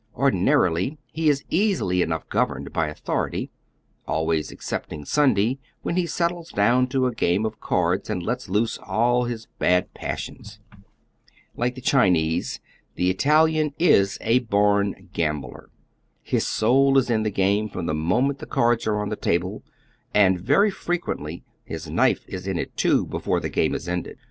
Ordinarily be is easily enough governed by authority — always excepting Sunday, when he settles down to a game of cards and lets loose all liis bad passions. Like the Chinese, the Italian is a horn gambler. jtCoo'^lc TJIE ITALIAN IN NEW YORK. 53 His soul is ill the game from the moment the cards are ou the table, aud very fi'equeutly his knife is in it too before tlie game is ended.